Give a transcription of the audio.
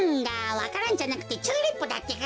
わか蘭じゃなくてチューリップだってか。